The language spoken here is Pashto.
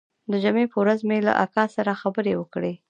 د جمعې پر ورځ مې له اکا سره خبرې وکړې.